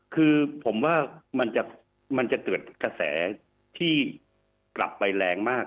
คือผมว่ามันจะมันจะเบือนเขาแสที่กลับไปแรงมาก